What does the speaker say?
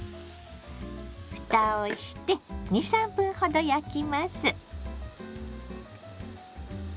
ふたをして２３分ほど焼きます。